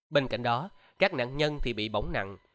bên cạnh đó các nạn nhân thì bị bỏng nặng